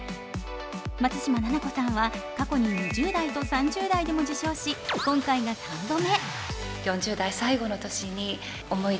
松嶋菜々子さんは過去に２０代と３０代でも受賞し今回が３度目。